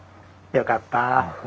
よかった。